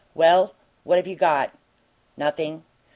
"Well, what have you got?" "Nothing.